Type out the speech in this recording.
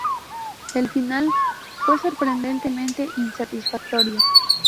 El final fue sorprendentemente insatisfactorio".